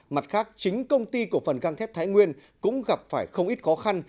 mặt khác chính công ty cổ phần găng thép thái nguyên cũng gặp phải không ít khó khăn